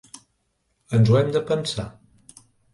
Ens ho hem de pensar.